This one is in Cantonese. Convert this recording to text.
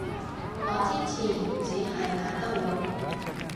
我之前衹係懶得換